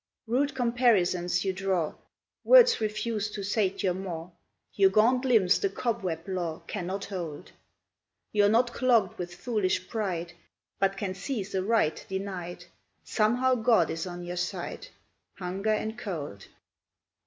Rude comparisons you draw, Words refuse to sate your maw, Your gaunt limbs the cobweb law Cannot hold: You 're not clogged with foolish pride, But can seize a right denied; Somehow God is on your side, Hunger and Cold!